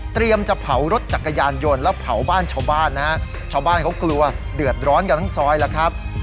จะเผารถจักรยานยนต์แล้วเผาบ้านชาวบ้านนะฮะชาวบ้านเขากลัวเดือดร้อนกันทั้งซอยแล้วครับ